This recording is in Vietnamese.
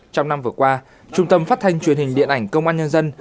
trong năm vừa qua trung tâm phát thanh truyền hình điện ảnh công an nhân dân